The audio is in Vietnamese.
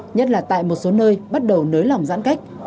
nhất là tại một số nơi bắt đầu nới lỏng giãn cách